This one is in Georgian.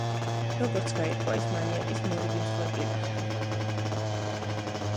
როგორც გაირკვა ის მანიაკის მორიგი მსხვერპლი გახდა.